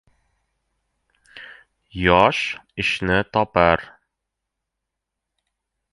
Yosh ishni topar